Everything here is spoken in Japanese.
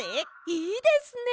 いいですね。